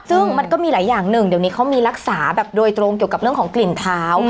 ซึ่งมันก็มีหลายอย่างหนึ่งเดี๋ยวนี้เขามีรักษาแบบโดยตรงเกี่ยวกับเรื่องของกลิ่นเท้า